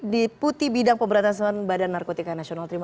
di putih bidang pemberantasan badan narkotika nasional